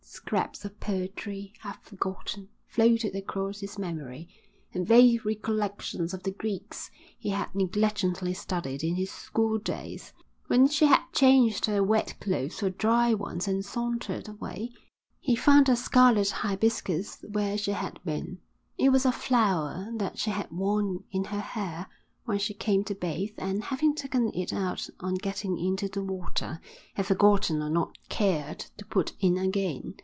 Scraps of poetry, half forgotten, floated across his memory, and vague recollections of the Greece he had negligently studied in his school days. When she had changed her wet clothes for dry ones and sauntered away he found a scarlet hibiscus where she had been. It was a flower that she had worn in her hair when she came to bathe and, having taken it out on getting into the water, had forgotten or not cared to put in again.